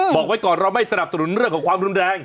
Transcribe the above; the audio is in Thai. บอกไว้ก่อนเราไม่สนับสนุนเรื่องของความรุนแรง